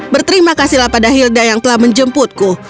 berterima kasihlah pada hilda yang telah menjemputku